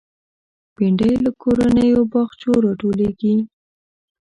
بېنډۍ له کورنیو باغچو راټولېږي